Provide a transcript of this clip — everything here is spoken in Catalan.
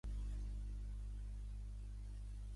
Calamity Ganon pren formes similars a un porc i una aranya.